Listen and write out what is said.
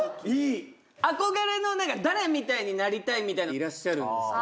憧れの誰みたいになりたいみたいないらっしゃるんですか？